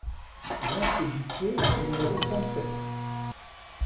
Route du Peux au numéro trente-sept